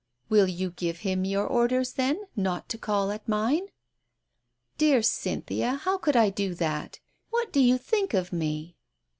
"Will you give him your orders, then, not to call at mine ?"" Dear Cynthia, how could I do that ? What do you think of me